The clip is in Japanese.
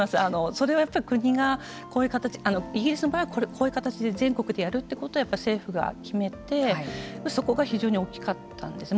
それはやっぱり国がイギリスの場合はこういう形で全国でやるということを政府が決めてそこが非常に大きかったんですね。